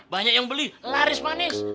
banyak yang beli laris manis